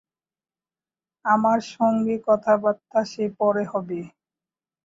আমার সঙ্গে কথাবার্তা সে পরে হবে।